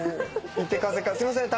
行って川崎から「すいません